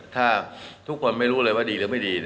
ถ้าทุกคนไม่รู้เลยว่าดีหรือไม่ดี